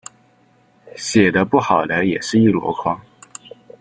写的不好的也是一箩筐